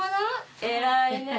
偉いねぇ。